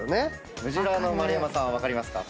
ムジラーの丸山さん分かりますか？